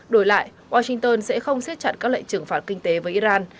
đổi lại washington sẽ không xếp chặt các lệnh trừng phạt kinh tế với iran